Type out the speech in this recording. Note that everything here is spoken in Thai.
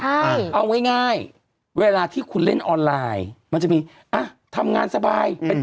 ใช่เอาง่ายเวลาที่คุณเล่นออนไลน์มันจะมีอ่ะทำงานสบายเป็น